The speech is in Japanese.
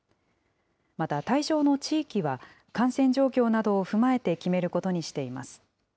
また、対象の地域は感染状況などを踏まえて決めることにしています。